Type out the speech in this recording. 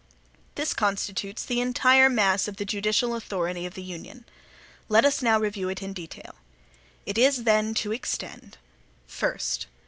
This constitutes the entire mass of the judicial authority of the Union. Let us now review it in detail. It is, then, to extend: First.